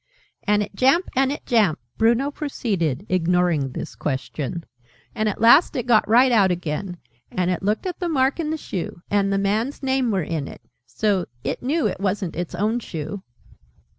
" and it jamp, and it jamp," Bruno proceeded, ignoring this question, "and at last it got right out again. And it looked at the mark in the Shoe. And the Man's name were in it. So it knew it wasn't its own Shoe."